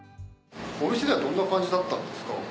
お店ではどんな感じだったんですか？